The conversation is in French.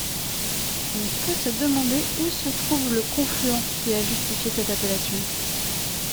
On peut se demander où se trouve le confluent qui a justifié cette appellation.